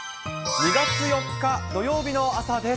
２月４日土曜日の朝です。